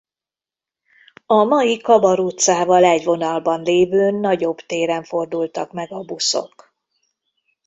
A mai Kabar utcával egy vonalban lévőn nagyobb téren fordultak meg a buszok.